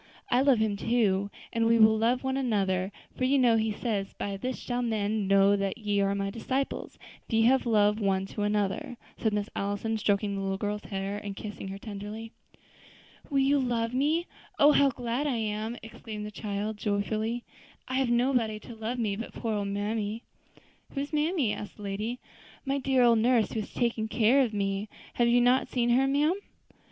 I love Him too, and we will love one another; for you know He says, 'By this shall men know that ye are my disciples, if ye have love one to another,'" said Miss Allison, stroking the little girl's hair, and kissing her tenderly. "Will you love me? Oh! how glad I am," exclaimed the child joyfully; "I have nobody to love me but poor old mammy." "And who is mammy?" asked the lady. "My dear old nurse, who has always taken care of me. Have you not seen her, ma'am?"